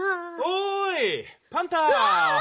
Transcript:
おいパンタ！